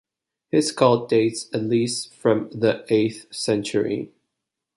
His cult dates at least from the eighth century.